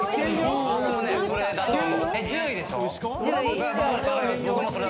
１０位でしょ？